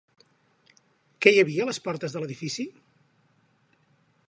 Què hi havia a les portes de l'edifici?